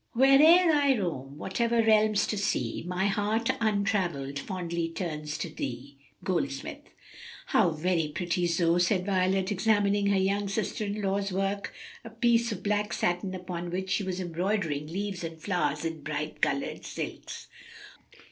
"Where'er I roam, whatever realms to see, My heart untravelled fondly turns to thee." Goldsmith. "How very pretty, Zoe!" said Violet, examining her young sister in law's work, a piece of black satin upon which she was embroidering leaves and flowers in bright colored silks.